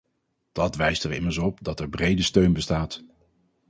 Dat wijst er immers op dat er brede steun bestaat.